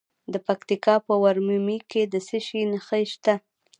د پکتیکا په ورممی کې د څه شي نښې دي؟